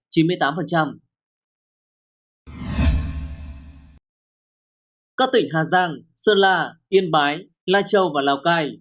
các tỉnh hà giang sơn la yên bái lai châu và lào cai